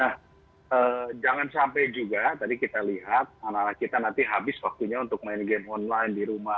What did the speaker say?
nah jangan sampai juga tadi kita lihat anak anak kita nanti habis waktunya untuk main game online di rumah